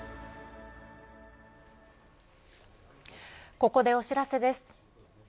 ここでお知らせです。